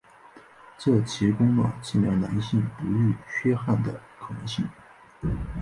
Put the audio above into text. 这提供了治疗男性不育缺憾的可能性。